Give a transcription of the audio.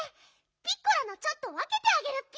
ピッコラのちょっとわけてあげるッピ。